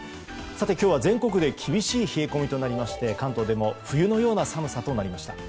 今日は全国で厳しい冷え込みとなりまして関東でも冬のような寒さとなりました。